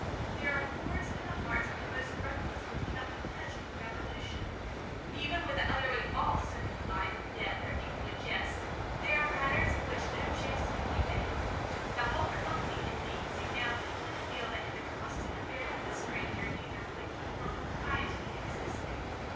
There are chords in the hearts of the most reckless which cannot be touched without emotion. Even with the utterly lost, to whom life and death are equally jests, there are matters of which no jest can be made. The whole company, indeed, seemed now deeply to feel that in the costume and bearing of the stranger neither wit nor propriety existed.